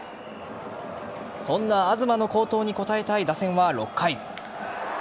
そんな東の好投に応えたい打線は６回。